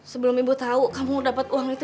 sebelum ibu tau kamu mau dapat uang itu